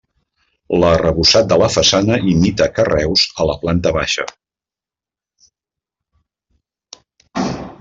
L'arrebossat de la façana imita carreus a la planta baixa.